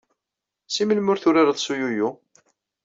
Seg melmi ur turareḍ s uyuyu?